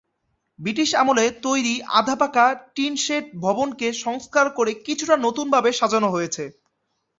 British আমলে তৈরি আধা পাকা টিনশেড ভবনকে সংস্কার করে কিছুটা নতুনভাবে সাজানো হয়েছে।